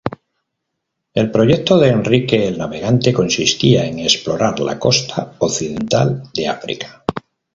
El proyecto de Enrique el Navegante consistía en explorar la costa occidental de África.